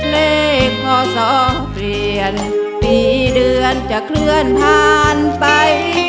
เลขพศเปลี่ยนปีเดือนจะเคลื่อนผ่านไป